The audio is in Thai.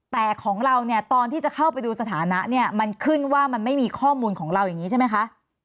แต่ของเราเนี่ยตอนที่จะเข้าไปดูสถานะเนี่ยมันขึ้นว่ามันไม่มีข้อมูลของเราอย่างนี้ใช่ไหมคะ